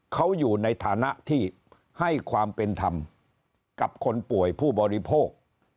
เขาอยู่ในฐานะที่ให้ความเป็นธรรมกับคนป่วยผู้บริโภค